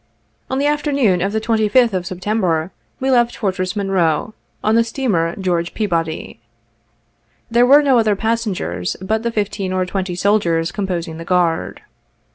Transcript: Otf the afterno6n of the 25th of September, we left For tress Monroe, on the steamer George Peabody. There were no other passengers, bat the fifteen or twenty soldiers com posing the guard.